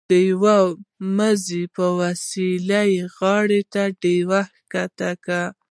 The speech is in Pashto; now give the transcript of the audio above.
د یوه مزي په وسیله یې غار ته ډیوه ښکته کړه.